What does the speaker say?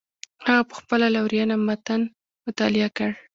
هغه په خپله لورینه متن مطالعه کړ.